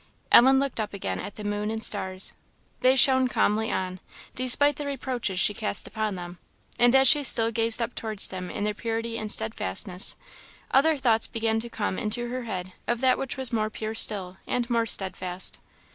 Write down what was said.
Ellen looked up again at the moon and stars. They shone calmly on, despite the reproaches she cast upon them; and as she still gazed up towards them in their purity and steadfastness, other thoughts began to come into her head of that which was more pure still, and more steadfast.